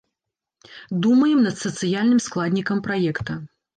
Думаем над сацыяльным складнікам праекта.